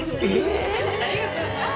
ありがとうございます。